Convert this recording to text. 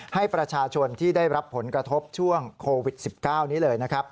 ให้ประชาชนที่ได้รับผลกระทบช่วงโควิด๑๙นี้เลยนะครับ